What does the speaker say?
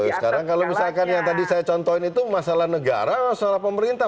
sekarang kalau misalkan yang tadi saya contohin itu masalah negara masalah pemerintah